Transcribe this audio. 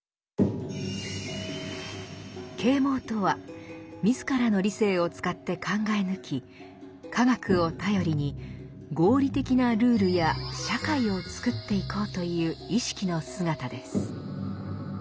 「啓蒙」とは自らの理性を使って考え抜き科学を頼りに合理的なルールや社会を作っていこうという意識の姿です。